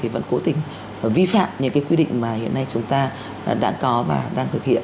vẫn cố tình vi phạm những quy định mà hiện nay chúng ta đã có và đang thực hiện